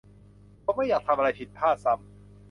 คงไม่อยากทำอะไรผิดพลาดซ้ำ